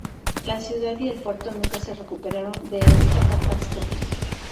La ciudad y el puerto nunca se recuperaron de esta catástrofe.